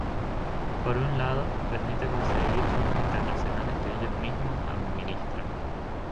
Por un lado, permite conseguir fondos internacionales que ellos mismos administran.